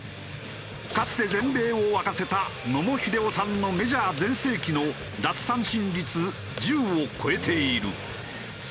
かつて全米を沸かせた野茂英雄さんのメジャー全盛期の奪三振率１０を超えている。